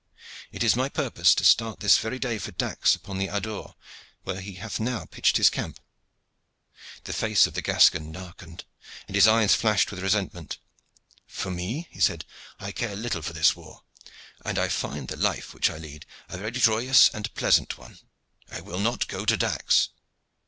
It is my purpose to start this very day for Dax upon the Adour, where he hath now pitched his camp." The face of the Gascon darkened, and his eyes flashed with resentment. "For me," he said, "I care little for this war, and I find the life which I lead a very joyous and pleasant one. I will not go to Dax."